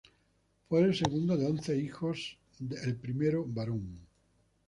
Fue el segundo de once hijos, el primero varón.